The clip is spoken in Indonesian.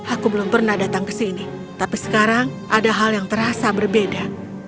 aku belum pernah datang ke sini tapi sekarang ada hal yang terasa berbeda